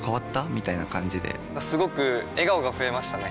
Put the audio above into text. みたいな感じですごく笑顔が増えましたね！